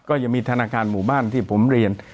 ก็ยังมีธนาคารหมู่บ้านที่ผมเรียน